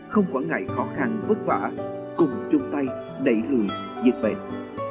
không quản ngại khó khăn vất vả cùng chung tay đẩy lùi dịch bệnh